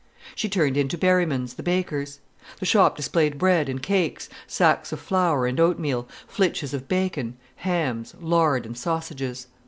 She turned into Berryman's, the baker's. The shop displayed bread and cakes, sacks of flour and oatmeal, flitches of bacon, hams, lard and sausages.